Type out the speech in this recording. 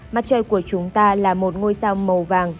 mặt trời của chúng ta là một ngôi sao màu vàng